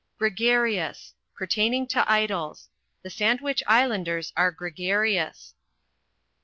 Gregarious Pertaining to idols: The Sandwich Islanders are gregarious.